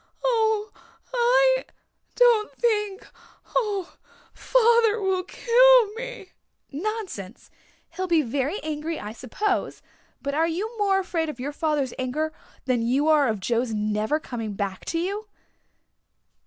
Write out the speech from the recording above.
"Oh I don't think oh, father will kill me " "Nonsense. He'll be very angry I suppose. But are you more afraid of your father's anger than you are of Joe's never coming back to you?"